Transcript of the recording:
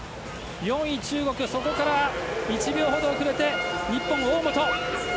４位、中国そこから１秒ほど遅れて日本。